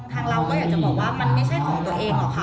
ทางเราก็อยากจะบอกว่ามันไม่ใช่ของตัวเองหรอกค่ะ